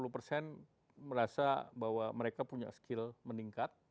lima puluh persen merasa bahwa mereka punya skill meningkat